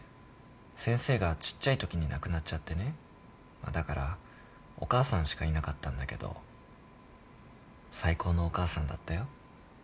先生がちっちゃいときに亡くなっちゃってねだからお母さんしかいなかったんだけど最高のお母さんだったよ。